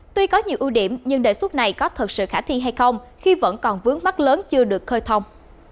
tuy có nhiều ưu điểm nhưng đề xuất này có thật sự khả thi hay không khi vẫn còn vướng mắt lớn chưa được khơi thông